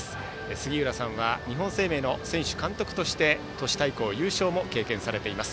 杉浦さんは日本生命の選手、監督として都市対抗優勝も経験されています。